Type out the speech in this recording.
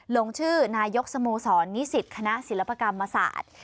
ลงชื่อนายกสโมสรนิสิตคณะศิลปกรรมศาสตร์